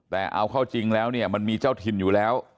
แต่เอาเข้าจริงแล้วเนี่ยมันมีเจ้าถิ่นอยู่แล้ว